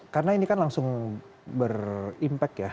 karena ini kan langsung berimpak ya